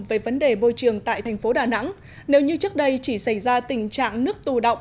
về vấn đề bôi trường tại thành phố đà nẵng nếu như trước đây chỉ xảy ra tình trạng nước tù động